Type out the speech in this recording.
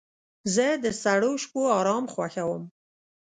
زه د سړو شپو آرام خوښوم.